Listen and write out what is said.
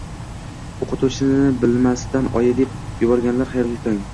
Oʻqituvchisini bilmasdan Oyi deb yuborganlar, xayrli tong!